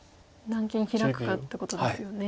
何間ヒラくかってことですよね。